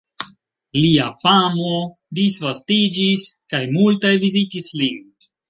Lia famo disvastiĝis kaj multaj vizitis lin.